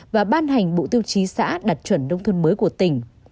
và ban hành bộ tiêu chí xã đặt chuẩn nông thôn mới của tỉnh